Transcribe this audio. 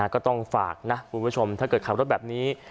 ก็ต้องฝากนะคุณผู้ชมถ้าเกิดขับรถแบบนี้